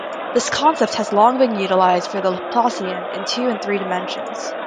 This concept has long been utilized for the Laplacian in two and three dimensions.